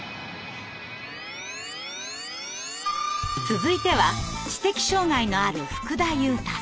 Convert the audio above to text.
続いては知的障害のある福田悠太さん。